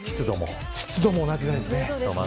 湿度も同じぐらいですね。